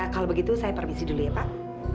kalau begitu saya permisi dulu ya pak